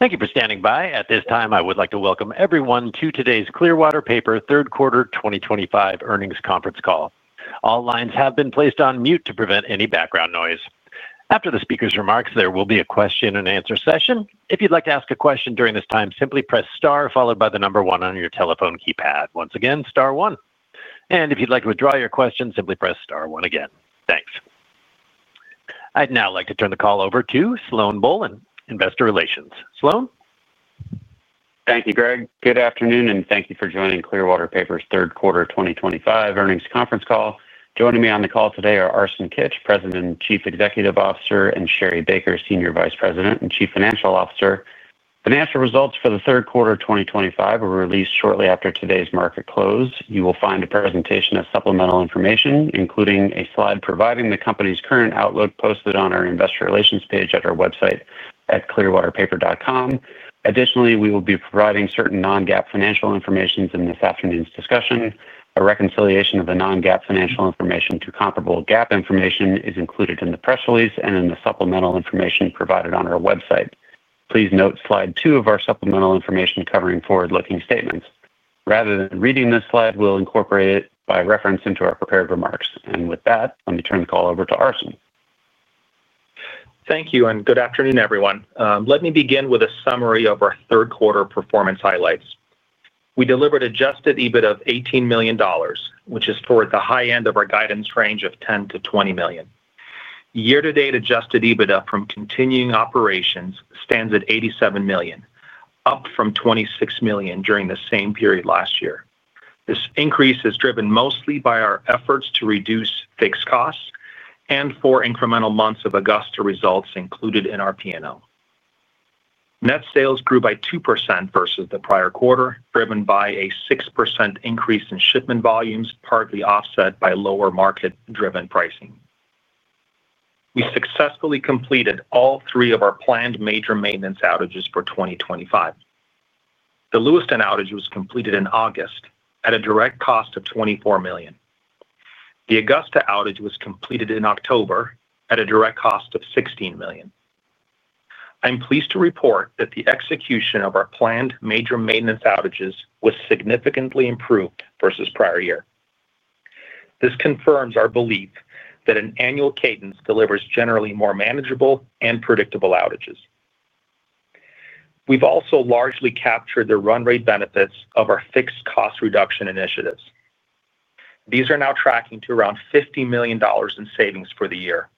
Thank you for standing by. At this time, I would like to welcome everyone to today's Clearwater Paper Third Quarter 2025 Earnings Conference Call. All lines have been placed on mute to prevent any background noise. After the speaker's remarks, there will be a question-and-answer session. If you'd like to ask a question during this time, simply press star followed by the number one on your telephone keypad. Once again, star one. If you'd like to withdraw your question, simply press star one again. Thank you. I'd now like to turn the call over to Sloan Bohlen, Investor Relations. Sloan? Thank you, Greg. Good afternoon, and thank you for joining Clearwater Paper's Third Quarter 2025 Earnings Conference Call. Joining me on the call today are Arsen Kitch, President and Chief Executive Officer, and Sherri Baker, Senior Vice President and Chief Financial Officer. Financial results for the third quarter of 2025 were released shortly after today's market close. You will find a presentation of supplemental information, including a slide providing the company's current outlook, posted on our investor relations page at our website at clearwaterpaper.com. Additionally, we will be providing certain non-GAAP financial information in this afternoon's discussion. A reconciliation of the non-GAAP financial information to comparable GAAP information is included in the press release and in the supplemental information provided on our website. Please note slide two of our supplemental information covering forward-looking statements. Rather than reading this slide, we'll incorporate it by reference into our prepared remarks. With that, let me turn the call over to Arsen. Thank you, and good afternoon, everyone. Let me begin with a summary of our third quarter performance highlights. We delivered an adjusted EBITDA of $18 million, which is toward the high end of our guidance range of $10 million-$20 million. Year-to-date adjusted EBITDA from continuing operations stands at $87 million, up from $26 million during the same period last year. This increase is driven mostly by our efforts to reduce fixed costs and for incremental months of Augusta results included in our P&L. Net sales grew by 2% versus the prior quarter, driven by a 6% increase in shipment volumes, partly offset by lower market-driven pricing. We successfully completed all three of our planned major maintenance outages for 2025. The Lewiston outage was completed in August at a direct cost of $24 million. The Augusta outage was completed in October at a direct cost of $16 million. I'm pleased to report that the execution of our planned major maintenance outages was significantly improved versus prior year. This confirms our belief that an annual cadence delivers generally more manageable and predictable outages. We've also largely captured the run rate benefits of our fixed cost reduction initiatives. These are now tracking to around $50 million in savings for the year,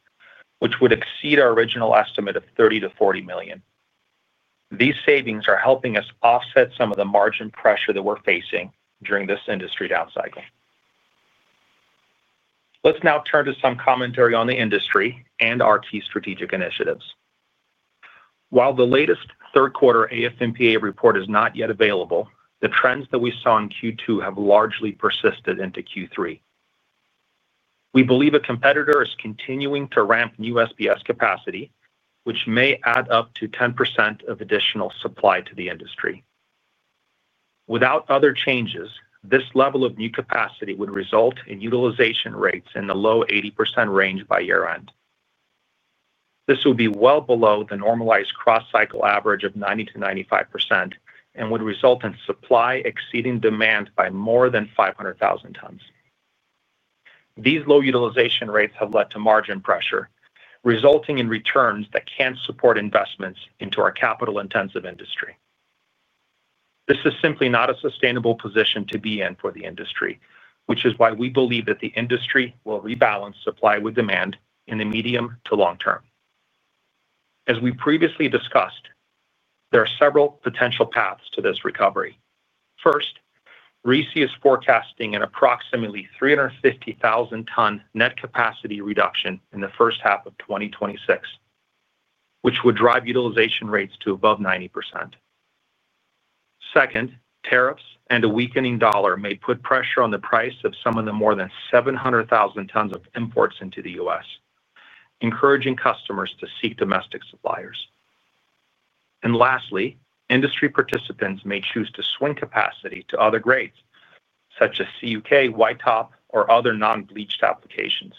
which would exceed our original estimate of $30 million-$40 million. These savings are helping us offset some of the margin pressure that we're facing during this industry down cycle. Let's now turn to some commentary on the industry and our key strategic initiatives. While the latest third quarter AF&PA report is not yet available, the trends that we saw in Q2 have largely persisted into Q3. We believe a competitor is continuing to ramp new SBS capacity, which may add up to 10% of additional supply to the industry. Without other changes, this level of new capacity would result in utilization rates in the low 80% range by year-end. This would be well below the normalized cross-cycle average of 90%-95% and would result in supply exceeding demand by more than 500,000 tons. These low utilization rates have led to margin pressure, resulting in returns that can't support investments into our capital-intensive industry. This is simply not a sustainable position to be in for the industry, which is why we believe that the industry will rebalance supply with demand in the medium to long term. As we previously discussed, there are several potential paths to this recovery. First, RISI is forecasting an approximately 350,000-ton net capacity reduction in the first half of 2026, which would drive utilization rates to above 90%. Second, tariffs and a weakening dollar may put pressure on the price of some of the more than 700,000 tons of imports into the U.S., encouraging customers to seek domestic suppliers. Lastly, industry participants may choose to swing capacity to other grades, such as CUK, YTOP, or other non-bleached applications.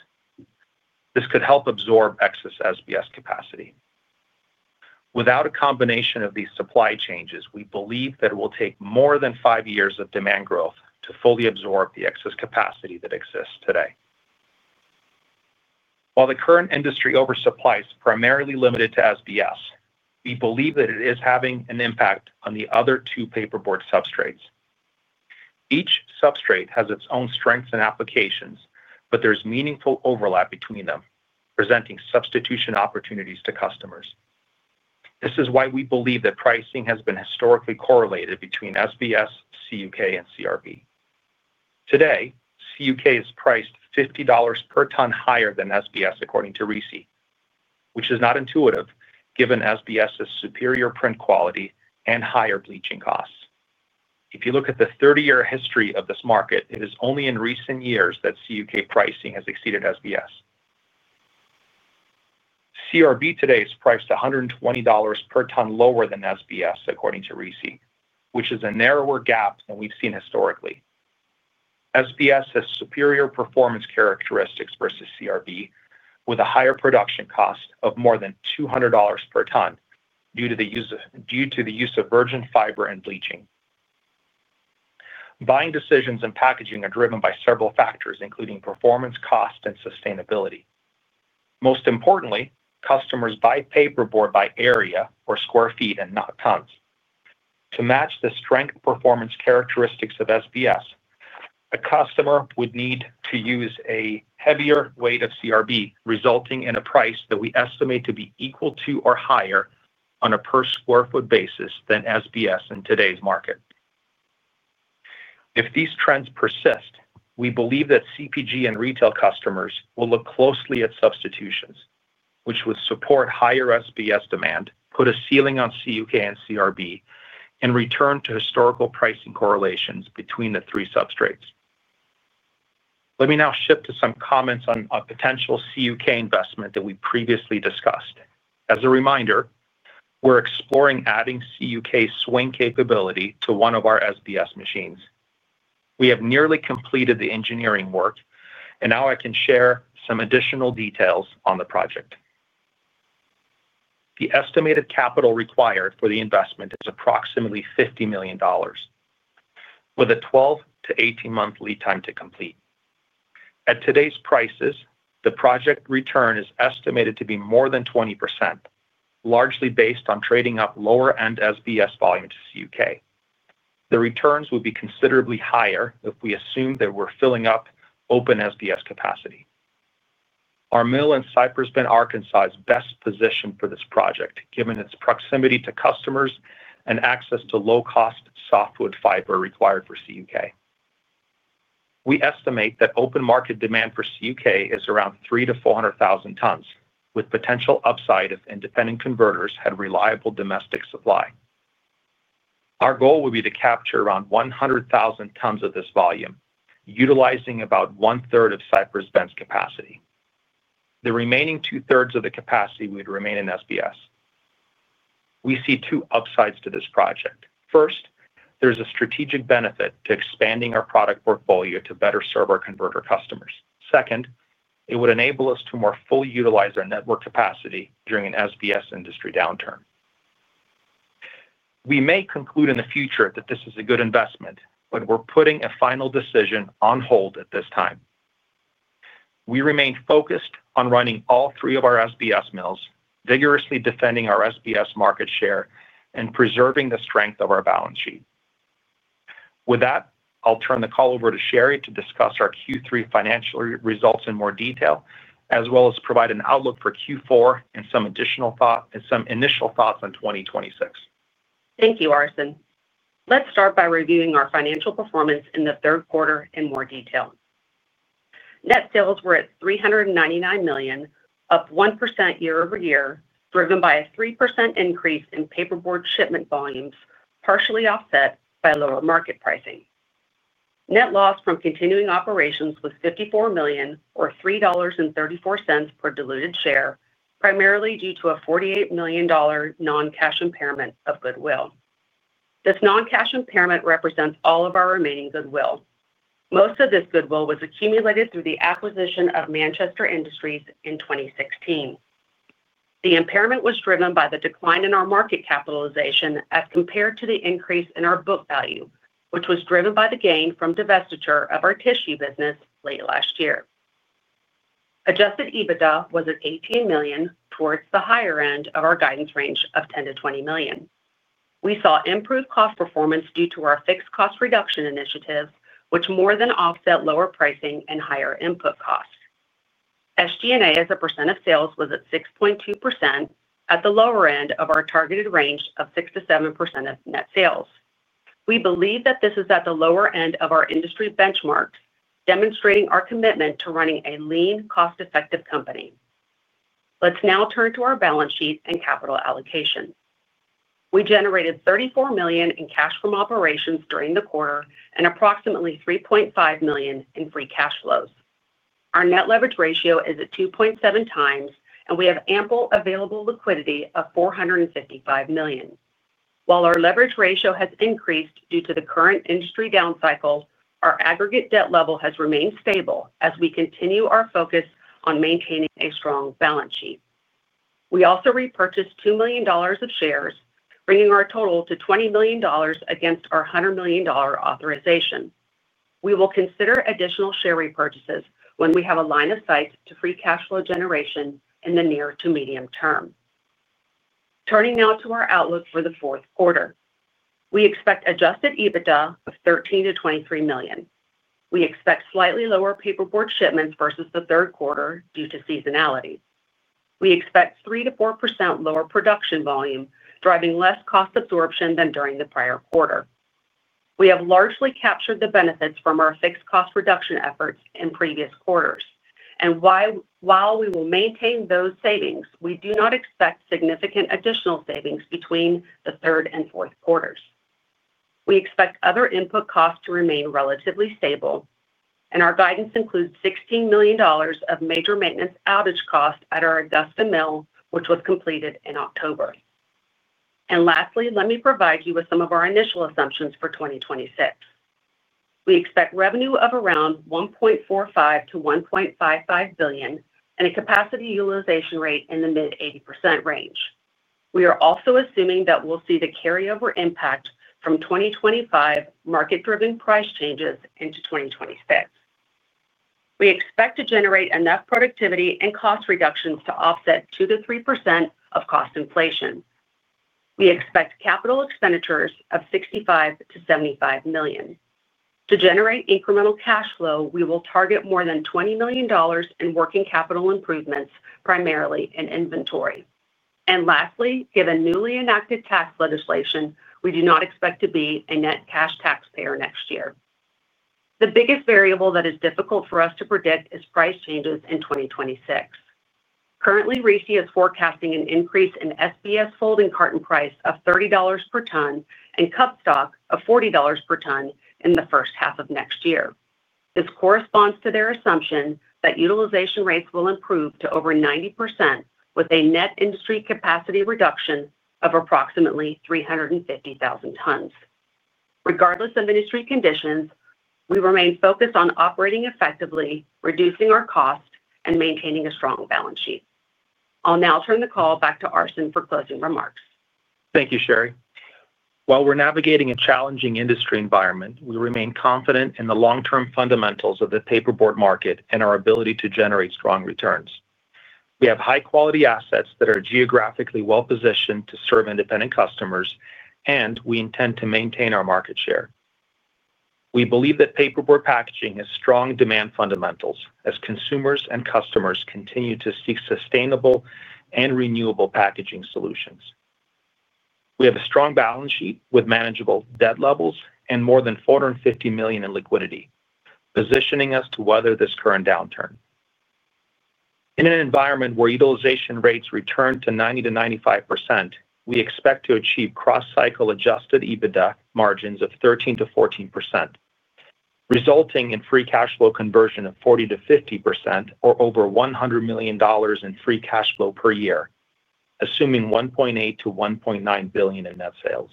This could help absorb excess SBS capacity. Without a combination of these supply changes, we believe that it will take more than 5 years of demand growth to fully absorb the excess capacity that exists today. While the current industry oversupply is primarily limited to SBS, we believe that it is having an impact on the other two paperboard substrates. Each substrate has its own strengths and applications, but there's meaningful overlap between them, presenting substitution opportunities to customers. This is why we believe that pricing has been historically correlated between SBS, CUK, CRB. Today, CUK is priced $50 per ton higher than SBS, according to RISI, which is not intuitive given SBS's superior print quality and higher bleaching costs. If you look at the 30-year history of this market, it is only in recent years that CUK pricing has exceeded SBS. CRB today is priced $120 per ton lower than SBS, according to RISI, which is a narrower gap than we've seen historically. SBS has superior performance characteristics versus CRB, with a higher production cost of more than $200 per ton due to the use of virgin fiber and bleaching. Buying decisions and packaging are driven by several factors, including performance, cost, and sustainability. Most importantly, customers buy paperboard by area or square feet and not tons. To match the strength performance characteristics of SBS, a customer would need to use a heavier weight of CRB, resulting in a price that we estimate to be equal to or higher on a per square foot basis than SBS in today's market. If these trends persist, we believe that CPG and retail customers will look closely at substitutions, which would support higher SBS demand, put a ceiling on CUK and CRB, and return to historical pricing correlations between the three substrates. Let me now shift to some comments on a potential CUK investment that we previously discussed. As a reminder, we're exploring adding CUK swing capability to one of our SBS machines. We have nearly completed the engineering work, and now I can share some additional details on the project. The estimated capital required for the investment is approximately $50 million, with a 12-18-month lead time to complete. At today's prices, the project return is estimated to be more than 20%, largely based on trading up lower-end SBS volume to CUK. The returns would be considerably higher if we assume that we're filling up open SBS capacity. Our mill in Cypress Bend, Arkansas, is best positioned for this project, given its proximity to customers and access to low-cost softwood fiber required for CUK. We estimate that open market demand for CUK is around 300,000 tons-400,000 tons, with potential upside if independent converters had reliable domestic supply. Our goal would be to capture around 100,000 tons of this volume, utilizing about 1/3 of Cypress Bend's capacity. The remaining 2/3 of the capacity would remain in SBS. We see two upsides to this project. First, there's a strategic benefit to expanding our product portfolio to better serve our converter customers. Second, it would enable us to more fully utilize our network capacity during an SBS industry downturn. We may conclude in the future that this is a good investment, but we're putting a final decision on hold at this time. We remain focused on running all three of our SBS mills, vigorously defending our SBS market share, and preserving the strength of our balance sheet. With that, I'll turn the call over to Sherri to discuss our Q3 financial results in more detail, as well as provide an outlook for Q4 and some additional thoughts on 2026. Thank you, Arsen. Let's start by reviewing our financial performance in the third quarter in more detail. Net sales were at $399 million, up 1% year-over-year, driven by a 3% increase in paperboard shipment volumes, partially offset by lower market pricing. Net loss from continuing operations was $54 million, or $3.34 per diluted share, primarily due to a $48 million non-cash goodwill impairment. This non-cash goodwill impairment represents all of our remaining goodwill. Most of this goodwill was accumulated through the acquisition of Manchester Industries in 2016. The impairment was driven by the decline in our market capitalization as compared to the increase in our book value, which was driven by the gain from divestiture of our tissue business late last year. Adjusted EBITDA was at $18 million towards the higher end of our guidance range of $10 million-$20 million. We saw improved cost performance due to our fixed cost reduction initiatives, which more than offset lower pricing and higher input costs. SG&A, as a percent of sales, was at 6.2% at the lower end of our targeted range of 6%-7% of net sales. We believe that this is at the lower end of our industry benchmarks, demonstrating our commitment to running a lean, cost-effective company. Let's now turn to our balance sheet and capital allocation. We generated $34 million in cash from operations during the quarter and approximately $3.5 million in free cash flows. Our net leverage ratio is at 2.7x, and we have ample available liquidity of $455 million. While our leverage ratio has increased due to the current industry down cycle, our aggregate debt level has remained stable as we continue our focus on maintaining a strong balance sheet. We also repurchased $2 million of shares, bringing our total to $20 million against our $100 million authorization. We will consider additional share repurchases when we have a line of sight to free cash flow generation in the near to medium term. Turning now to our outlook for the fourth quarter, we expect adjusted EBITDA of $13 million-$23 million. We expect slightly lower paperboard shipments versus the third quarter due to seasonality. We expect 3%-4% lower production volume, driving less cost absorption than during the prior quarter. We have largely captured the benefits from our fixed cost reduction efforts in previous quarters. While we will maintain those savings, we do not expect significant additional savings between the third and fourth quarters. We expect other input costs to remain relatively stable, and our guidance includes $16 million of major maintenance outage costs at our Augusta mill, which was completed in October. Lastly, let me provide you with some of our initial assumptions for 2026. We expect revenue of around $1.45 billion-$1.55 billion and a capacity utilization rate in the mid-80% range. We are also assuming that we'll see the carryover impact from 2025 market-driven price changes into 2026. We expect to generate enough productivity and cost reductions to offset 2%-3% of cost inflation. We expect capital expenditures of $65 million-$75 million. To generate incremental cash flow, we will target more than $20 million in working capital improvements, primarily in inventory. Lastly, given newly enacted tax legislation, we do not expect to be a net cash taxpayer next year. The biggest variable that is difficult for us to predict is price changes in 2026. Currently, RISI is forecasting an increase in SBS folding carton price of $30 per ton and cup stock of $40 per ton in the first half of next year. This corresponds to their assumption that utilization rates will improve to over 90%, with a net industry capacity reduction of approximately 350,000 tons. Regardless of industry conditions, we remain focused on operating effectively, reducing our cost, and maintaining a strong balance sheet. I'll now turn the call back to Arsen for closing remarks. Thank you, Sherri. While we're navigating a challenging industry environment, we remain confident in the long-term fundamentals of the paperboard market and our ability to generate strong returns. We have high-quality assets that are geographically well-positioned to serve independent customers, and we intend to maintain our market share. We believe that paperboard packaging has strong demand fundamentals as consumers and customers continue to seek sustainable and renewable packaging solutions. We have a strong balance sheet with manageable debt levels and more than $450 million in liquidity, positioning us to weather this current downturn. In an environment where utilization rates return to 90%-95%, we expect to achieve cross-cycle adjusted EBITDA margins of 13%-14%, resulting in free cash flow conversion of 40%-50% or over $100 million in free cash flow per year, assuming $1.8 billion-$1.9 billion in net sales.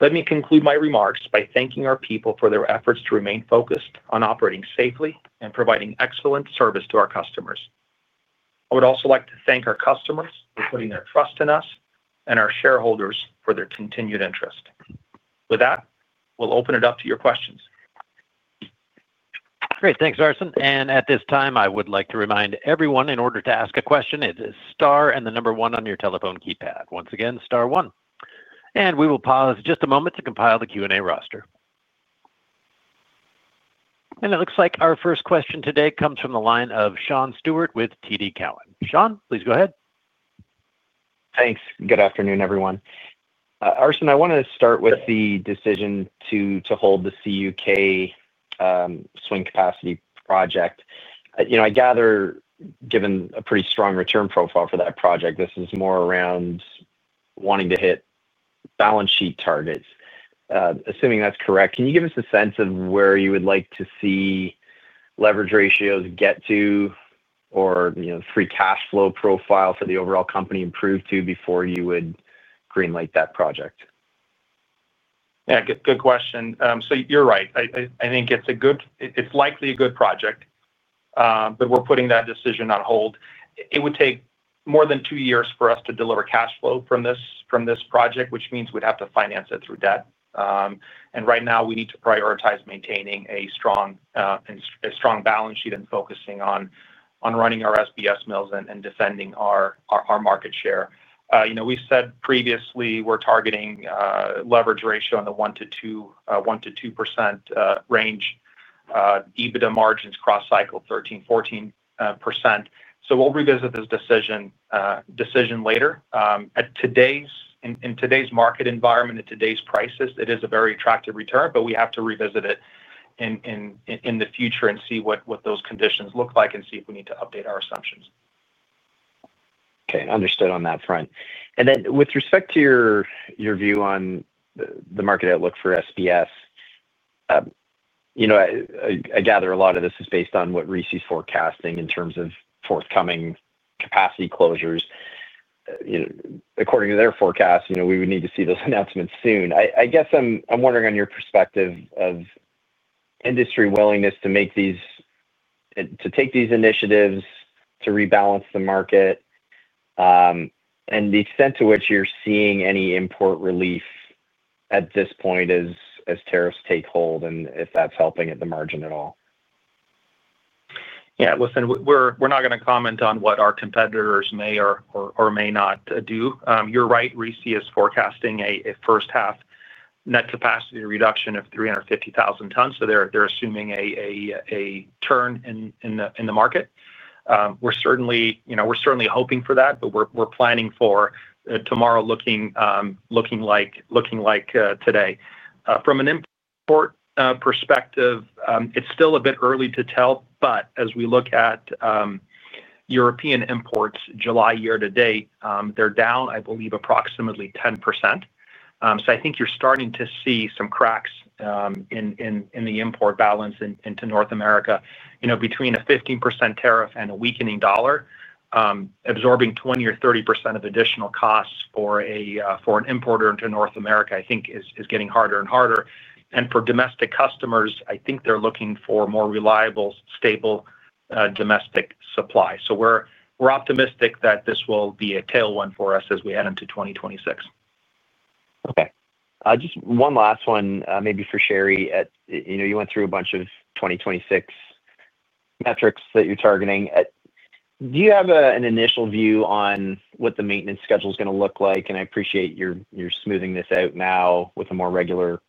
Let me conclude my remarks by thanking our people for their efforts to remain focused on operating safely and providing excellent service to our customers. I would also like to thank our customers for putting their trust in us and our shareholders for their continued interest. With that, we'll open it up to your questions. Great. Thanks, Arsen. At this time, I would like to remind everyone, in order to ask a question, it is star and the number one on your telephone keypad. Once again, star one. We will pause just a moment to compile the Q&A roster. It looks like our first question today comes from the line of Sean Steuart with TD Cowen. Sean, please go ahead. Thanks. Good afternoon, everyone. Arsen, I want to start with the decision to hold the CUK swing capacity project. I gather, given a pretty strong return profile for that project, this is more around wanting to hit balance sheet targets. Assuming that's correct, can you give us a sense of where you would like to see leverage ratios get to or free cash flow profile for the overall company improve to before you would greenlight that project? Yeah, good question. You're right. I think it's a good, it's likely a good project, but we're putting that decision on hold. It would take more than 2 years for us to deliver cash flow from this project, which means we'd have to finance it through debt. Right now, we need to prioritize maintaining a strong balance sheet and focusing on running our SBS mills and defending our market share. You know, we said previously we're targeting leverage ratio in the 1%-2% range, EBITDA margins cross-cycle 13%-14%. We'll revisit this decision later. In today's market environment and today's crisis, it is a very attractive return, but we have to revisit it in the future and see what those conditions look like and see if we need to update our assumptions. Okay, understood on that front. With respect to your view on the market outlook for SBS, I gather a lot of this is based on what RISI is forecasting in terms of forthcoming capacity closures. According to their forecast, we would need to see those announcements soon. I guess I'm wondering on your perspective of industry willingness to take these initiatives to rebalance the market and the extent to which you're seeing any import relief at this point as tariffs take hold and if that's helping at the margin at all. Yeah, listen, we're not going to comment on what our competitors may or may not do. You're right, RISI is forecasting a first-half net capacity reduction of 350,000 tons, so they're assuming a turn in the market. We're certainly hoping for that, but we're planning for tomorrow looking like today. From an import perspective, it's still a bit early to tell, but as we look at European imports July year-to-date, they're down, I believe, approximately 10%. I think you're starting to see some cracks in the import balance into North America. Between a 15% tariff and a weakening dollar, absorbing 20% or 30% of additional costs for an importer into North America, I think, is getting harder and harder. For domestic customers, I think they're looking for more reliable, stable domestic supply. We're optimistic that this will be a tailwind for us as we head into 2026. Okay. Just one last one, maybe for Sherri. You know, you went through a bunch of 2026 metrics that you're targeting. Do you have an initial view on what the maintenance schedule is going to look like? I appreciate you're smoothing this out now with a more regular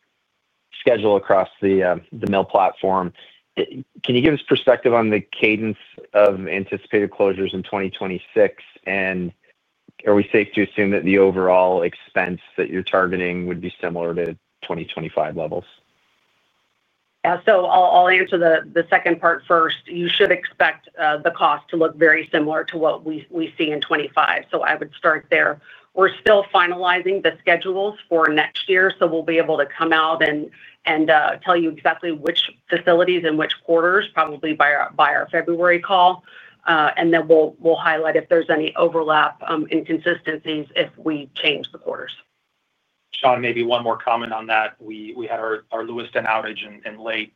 schedule across the mill platform. Can you give us perspective on the cadence of anticipated closures in 2026, and are we safe to assume that the overall expense that you're targeting would be similar to 2025 levels? I'll answer the second part first. You should expect the cost to look very similar to what we see in 2025. I would start there. We're still finalizing the schedules for next year, so we'll be able to come out and tell you exactly which facilities and which quarters, probably by our February call. We'll highlight if there's any overlap inconsistencies if we change the quarters. Sean, maybe one more comment on that. We had our Lewiston outage in late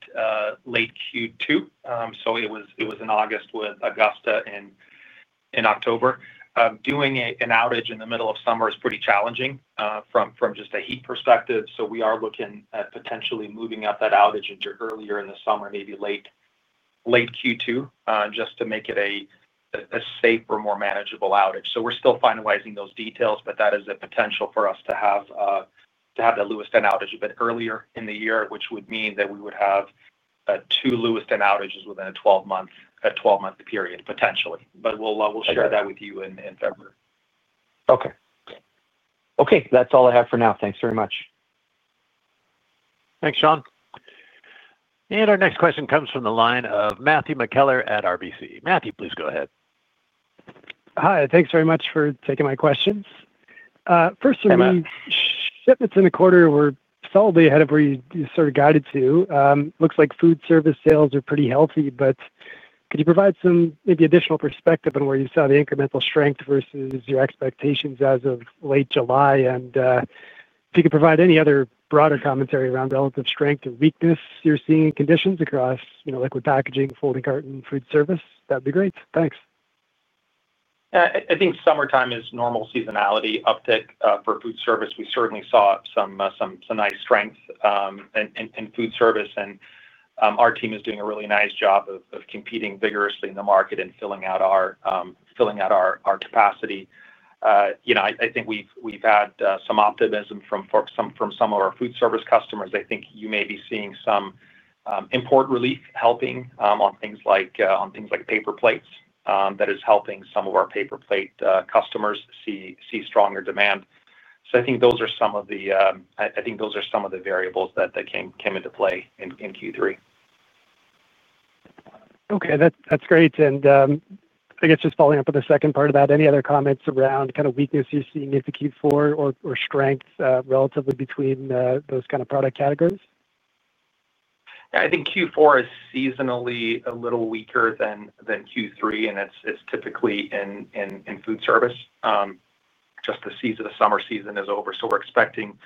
Q2. It was in August with Augusta in October. Doing an outage in the middle of summer is pretty challenging from just a heat perspective. We are looking at potentially moving up that outage into earlier in the summer, maybe late Q2, just to make it a safer, more manageable outage. We're still finalizing those details, but that is a potential for us to have that Lewiston outage a bit earlier in the year, which would mean that we would have two Lewiston outages within a 12-month period, potentially. We'll share that with you in February. Okay. That's all I have for now. Thanks very much. Thanks, Sean. Our next question comes from the line of Matthew McKellar at RBC. Matthew, please go ahead. Hi. Thanks very much for taking my questions. First, the shipments in the quarter were solidly ahead of where you sort of guided to. It looks like food service sales are pretty healthy. Could you provide some maybe additional perspective on where you saw the incremental strength versus your expectations as of late July? If you could provide any other broader commentary around relative strength or weakness you're seeing in conditions across liquid packaging, folding carton, and food service, that would be great. Thanks. I think summertime is normal seasonality uptick for food service. We certainly saw some nice strength in food service, and our team is doing a really nice job of competing vigorously in the market and filling out our capacity. I think we've had some optimism from some of our food service customers. You may be seeing some import relief helping on things like paper plates. That is helping some of our paper plate customers see stronger demand. I think those are some of the variables that came into play in Q3. Okay. That's great. I guess just following up with the second part of that, any other comments around kind of weakness you're seeing into Q4 or strength relatively between those kind of product categories? Yeah, I think Q4 is seasonally a little weaker than Q3, and it's typically in food service. Just the summer season is over, so we're expecting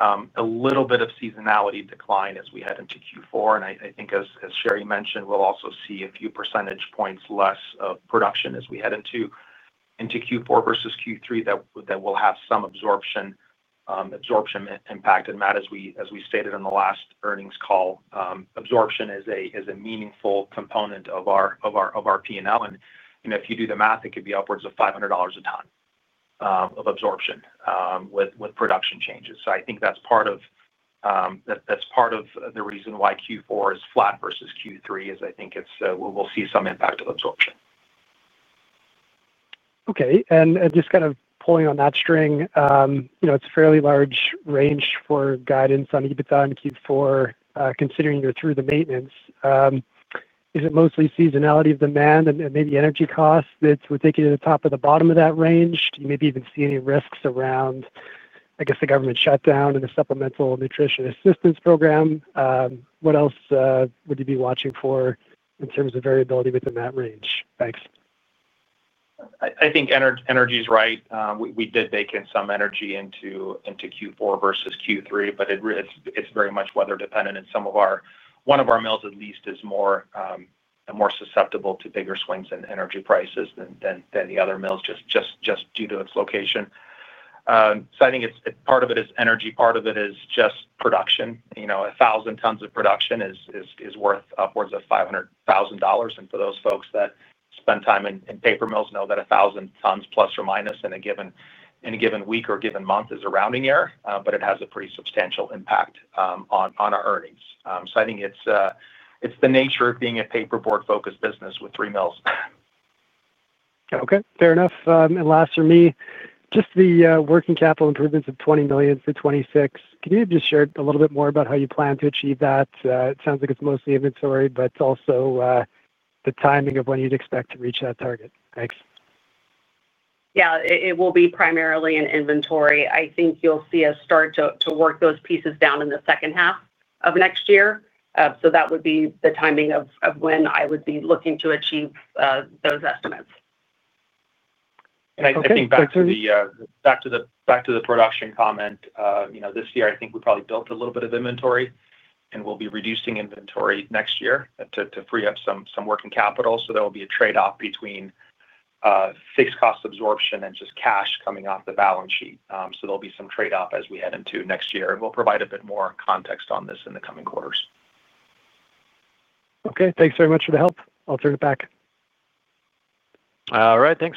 a little bit of seasonality decline as we head into Q4. I think, as Sherri mentioned, we'll also see a few percentage points less of production as we head into Q4 versus Q3 that will have some absorption impact. Matt, as we stated in the last earnings call, absorption is a meaningful component of our P&L. If you do the math, it could be upwards of $500 a ton of absorption with production changes. I think that's part of the reason why Q4 is flat versus Q3, as I think we'll see some impact of absorption. Okay. Just kind of pulling on that string, it's a fairly large range for guidance on EBITDA in Q4, considering you're through the maintenance. Is it mostly seasonality of demand and maybe energy costs that would take you to the top or the bottom of that range? Do you maybe even see any risks around, I guess, the government shutdown and the Supplemental Nutrition Assistance Program? What else would you be watching for in terms of variability within that range? Thanks. I think energy is right. We did bake in some energy into Q4 versus Q3, but it's very much weather-dependent. Some of our, one of our mills at least, is more susceptible to bigger swings in energy prices than the other mills, just due to its location. I think part of it is energy. Part of it is just production. You know, 1,000 tons of production is worth upwards of $500,000. For those folks that spend time in paper mills know that 1,000 tons ± in a given week or a given month is a rounding error, but it has a pretty substantial impact on our earnings. I think it's the nature of being a paperboard-focused business with three mills. Okay. Fair enough. Last for me, just the working capital improvements of $20 million for 2026, can you just share a little bit more about how you plan to achieve that? It sounds like it's mostly inventory, but it's also the timing of when you'd expect to reach that target. Thanks. Yeah, it will be primarily in inventory. I think you'll see us start to work those pieces down in the second half of next year. That would be the timing of when I would be looking to achieve those estimates. I think back to the production comment, you know, this year, I think we probably built a little bit of inventory, and we'll be reducing inventory next year to free up some working capital. There will be a trade-off between fixed cost absorption and just cash coming off the balance sheet. There will be some trade-off as we head into next year, and we'll provide a bit more context on this in the coming quarters. Okay, thanks very much for the help. I'll turn it back. All right. Thanks.